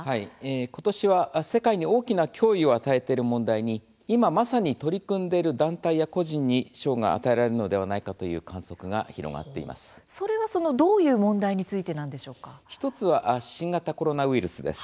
ことしは世界に大きな脅威を与えている問題に今まさに取り組んでいる団体や個人に賞が与えられるのではないそれはどういう問題に１つは新型コロナウイルスです。